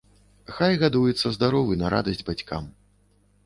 Хай гадуецца здаровы на радасць бацькам.